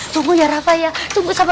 tunggu ya rafa ya tunggu sabar